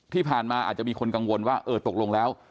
ที่ผ่านมาอาจจะมีคนกังวลว่าเออตกลงแล้ว